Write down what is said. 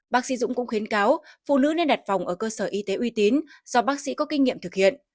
bác sĩ dũng cũng khuyến cáo phụ nữ nên đặt phòng ở cơ sở y tế uy tín do bác sĩ có kinh nghiệm thực hiện